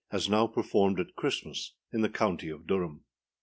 AS NOW PERFORMED AT CHRISTMAS, IN THE COUNTY OF DURHAM.